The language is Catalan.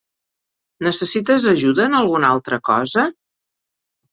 Necessites ajuda en alguna altra cosa?